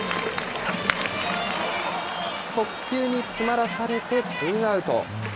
速球に詰まらされてツーアウト。